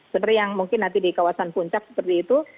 seperti yang mungkin nanti di kawasan puncak seperti itu